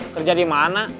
kerja di mana